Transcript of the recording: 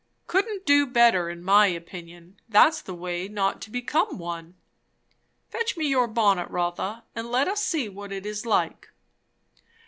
"Couldn't do better, in my opinion. That's the way not to become one. Fetch me your bonnet, Rotha, and let us see what it is like."